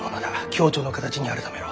共著の形に改めろ。